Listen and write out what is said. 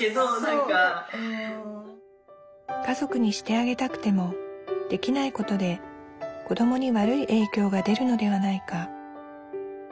家族にしてあげたくてもできないことで子どもに悪い影響が出るのではないか。